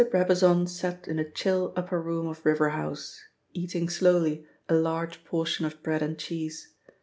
BRABAZON sat in a chill upper room of River House, eating slowly a large portion of bread and cheese.